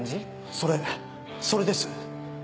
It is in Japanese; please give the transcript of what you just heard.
それそれです。